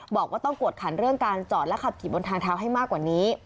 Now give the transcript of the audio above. บอกว่าต้องกวดขันเรื่องการจอดและขับขี่บนทางเท้าให้มากกว่านี้